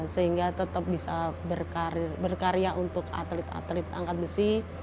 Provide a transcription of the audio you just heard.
sehingga tetap bisa berkarya untuk atlet atlet angkat besi